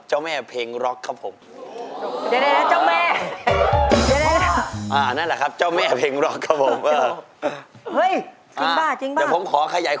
จะพร้อมแล้วรวยไป